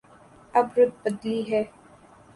اب رت بدلی ہے۔